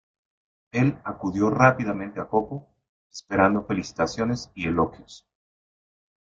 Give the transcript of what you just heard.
Él acudió rápidamente a Coco, esperando felicitaciones y elogios.